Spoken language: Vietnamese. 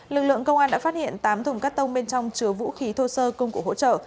lực lượng công an đã phát hiện tám thùng cắt tông bên trong chứa vũ khí thô sơ công cụ hỗ trợ